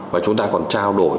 và chúng ta còn trao đổi